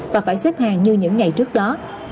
và phải xếp hàng như những ngày trước đó